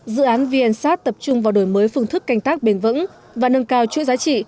dự án vnsat tập trung vào đổi mới phương thức canh tác bền vững và nâng cao chuỗi giá trị